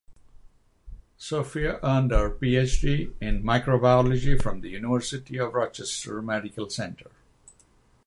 Sofia earned her PhD in microbiology from the University of Rochester Medical Center.